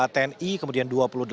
tni kemudian dua puluh delapan